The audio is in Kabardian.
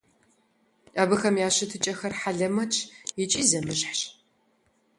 Абыхэм я щытыкӀэхэр хьэлэмэтщ икӀи зэмыщхьщ.